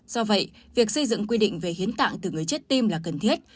do vậy việc xây dựng quy định về hiến tạng từ người chết tim là cần thiết